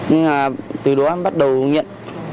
nhưng mà từ đó em bắt đầu nghiện